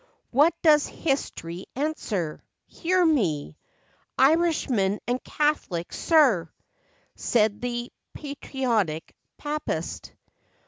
What does history answer ? Hear me— Irishmen, and Catholics, sir," Said the patriotic papist.